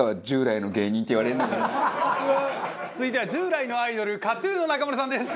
続いては従来のアイドルＫＡＴ−ＴＵＮの中丸さんです。